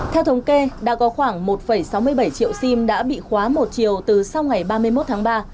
theo thống kê đã có khoảng một sáu mươi bảy triệu sim đã bị khóa một chiều từ sau ngày ba mươi một tháng ba